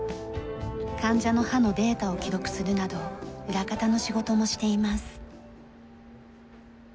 患者の歯のデータを記録するなど裏方の仕事もしています。